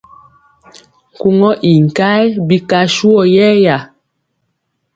Nkugɔ ii nkayɛ bika suwɔ yɛya.